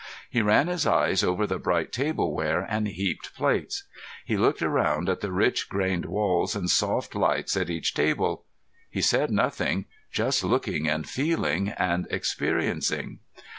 He ran his eyes over the bright tableware and heaped plates. He looked around at the rich grained walls and soft lights at each table. He said nothing, just looking and feeling and experiencing.